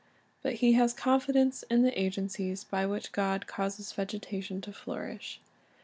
But he has confidence in the agencies by which God causes vegetation to flourish.